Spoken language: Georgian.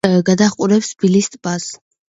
გადაჰყურებს ბილის ტბას.